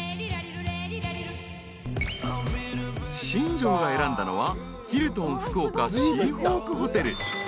［新庄が選んだのはヒルトン福岡シーホークホテル］